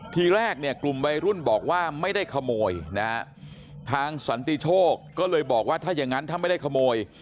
ทีแรกเนี่ยกลุ่มวัยรุ่นบอกว่าไม่ได้ขโมยนะฮะทางสันติโชคก็เลยบอกว่าถ้าอย่างงั้นถ้าไม่ได้ขโมย